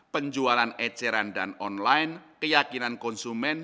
penjualan eceran dan online keyakinan konsumen